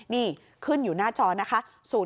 นี่ขึ้นอยู่หน้าจอนะคะ๐๙๑๕๗๑๐๓๔๓